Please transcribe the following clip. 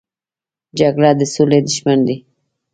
جګړه د سولې دښمن دی